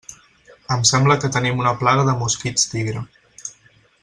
Em sembla que tenim una plaga de mosquits tigre.